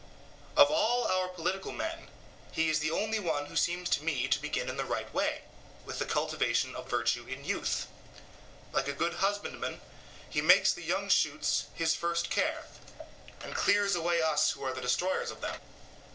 Of all our political men he is the only one who seems to me to begin in the right way, with the cultivation of virtue in youth; like a good husbandman, he makes the young shoots his first care, and clears away us who are the destroyers of them.